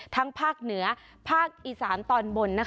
ภาคเหนือภาคอีสานตอนบน